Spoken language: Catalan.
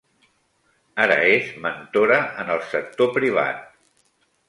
Ara és mentora en el sector privat.